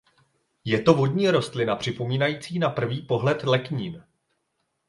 Je to vodní rostlina připomínající na prvý pohled leknín.